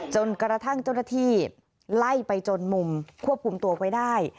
จนกระทั่งเจ้าหน้าที่ไล่ไปจนมุมควบคุมตัวไว้ได้